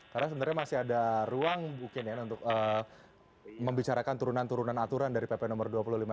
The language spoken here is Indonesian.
karena sebenarnya masih ada ruang mungkin ya untuk membicarakan turunan turunan aturan dari pp no dua puluh lima ini ya pak fajrul